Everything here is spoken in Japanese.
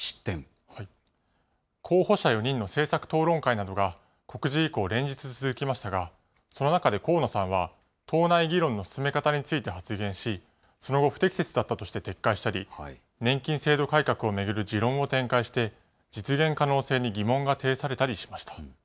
候補者４人の政策討論会などが告示以降、連日続きましたが、その中で河野さんは、党内議論の進め方について発言し、その後、不適切だったとして撤回したり、年金制度改革を巡る持論を展開して、実現可能性に疑問が呈されたりしました。